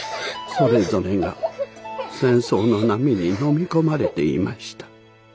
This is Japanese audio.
それぞれが戦争の波にのみ込まれていました。